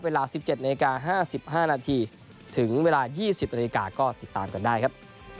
เวลา๑๗นาฬิกา๕๕นาทีถึงเวลา๒๐นาฬิกาก็ติดตามกันได้ครับ